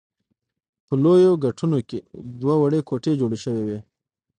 په لویو ګټونو کې دوه وړې کوټې جوړې شوې وې.